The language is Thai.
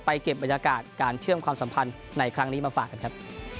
เก็บบรรยากาศการเชื่อมความสัมพันธ์ในครั้งนี้มาฝากกันครับ